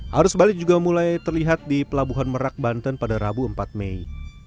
harus balik juga mulai terlihat di pelabuhan merak banten pada rabu empat mei